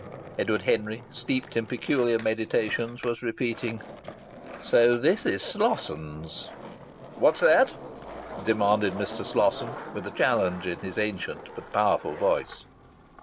Edward Henry, steeped in peculiar meditations, was repeating: "So this is Slosson's!" "What's that?" demanded Mr. Slosson with a challenge in his ancient but powerful voice.